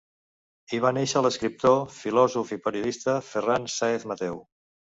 Hi va néixer l'escriptor, filòsof i periodista Ferran Sáez Mateu.